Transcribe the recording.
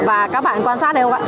và các bạn quan sát thấy không ạ